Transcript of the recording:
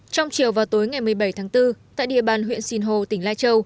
trong chiều vào tối ngày một mươi bảy tháng bốn tại địa bàn huyện sinh hồ tỉnh lai châu